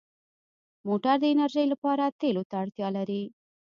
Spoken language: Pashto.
موټر د انرژۍ لپاره تېلو ته اړتیا لري.